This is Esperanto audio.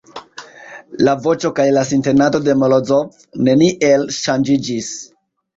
La voĉo kaj la sintenado de Morozov neniel ŝanĝiĝis.